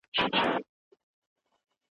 خلګو د خپلو رايو په مټ نوي حکومتونه جوړ کړل.